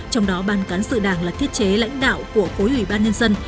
trong đó ban cán sự đảng là thiết chế lãnh đạo của khối ủy ban nhân dân